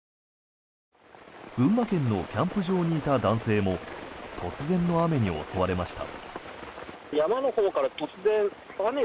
群馬県のキャンプ場にいた男性も突然の雨に襲われました。